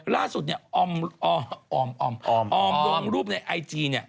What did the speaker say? ล่าสุดออมร่วงรูปในไอจี